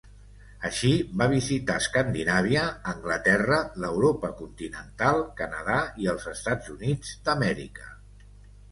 Així, va visitar Escandinàvia, Anglaterra, l'Europa continental, Canadà i els Estats Units d'Amèrica.